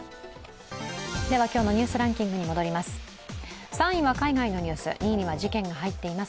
今日のニュースランキングに戻ります。